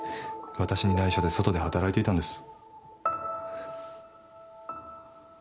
わたしに内緒で外で働いていたんです。